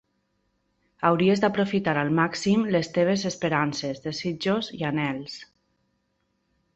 Hauries d'aprofitar al màxim les teves esperances, desitjos i anhels.